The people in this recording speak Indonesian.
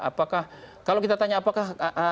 apakah kalau kita tanya apakah